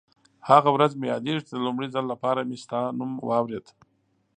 هغه ورځ مې یادېږي چې د لومړي ځل لپاره مې ستا نوم واورېد.